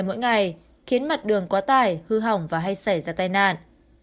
mỗi ngày khiến mặt đường quá tải hư hỏng và hay xảy ra tai nạn